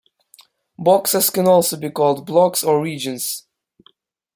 Boxes can also be called blocks or regions.